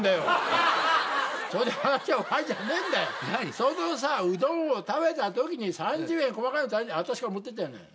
そのさうどんを食べたときに３０円細かいやつあたしから持ってったよね？